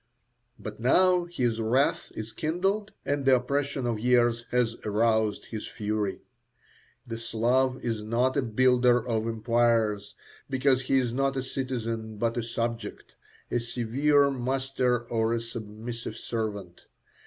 But now his wrath is kindled and the oppression of years has aroused his fury. The Slav is not a builder of empires, because he is not a citizen but a subject a severe master or a submissive servant.